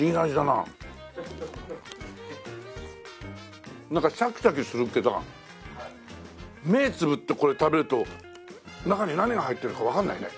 なんかシャキシャキするけど目つぶってこれ食べると中に何が入ってるかわかんないね。